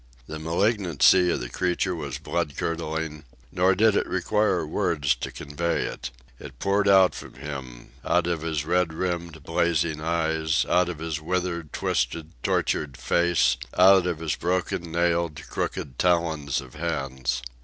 The malignancy of the creature was blood curdling; nor did it require words to convey it: it poured from him, out of his red rimmed, blazing eyes, out of his withered, twisted, tortured face, out of his broken nailed, crooked talons of hands.